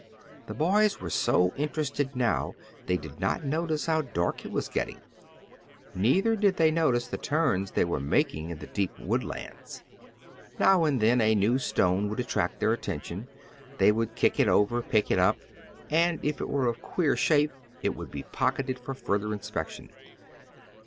The boys were so interested now they did not notice how dark it was getting. Neither did they notice the turns they were making in the deep woodlands. Now and then a new stone would attract their attention. They would kick it over, pick it up, and if it were of queer shape it would be pocketed for further inspection.